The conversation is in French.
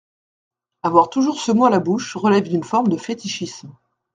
Avoir toujours ce mot à la bouche relève d’une forme de fétichisme.